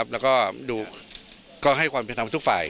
แล้วก็ดูให้ความเป็นทำทุกฝ่าย